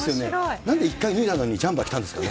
なんで一回脱いだのにジャンパー着たんですかね。